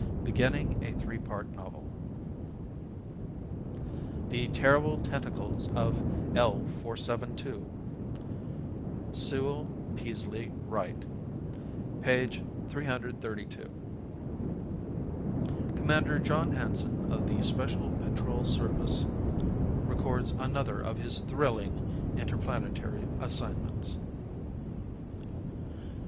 _ (Beginning a Three Part Novel.) THE TERRIBLE TENTACLES, OF L 472 SEWELL PEASLEE WRIGHT 332 _Commander John Hanson of the Special Patrol Service Records Another of His Thrilling Interplanetary Assignments.